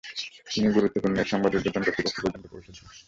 তিনি গুরুত্বপূর্ণ এ সংবাদ উর্ধ্বতন কর্তৃপক্ষ পর্যন্ত পৌঁছে দেন।